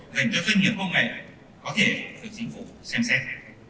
dành cho doanh nghiệp công nghệ có thể được chính phủ xem xét